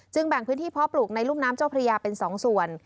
แบ่งพื้นที่เพาะปลูกในรุ่มน้ำเจ้าพระยาเป็น๒ส่วน